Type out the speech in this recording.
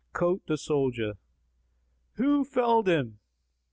Quoth the soldier, "Who felled him?"